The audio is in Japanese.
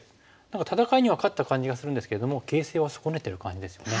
戦いには勝った感じがするんですけども形勢は損ねてる感じですよね。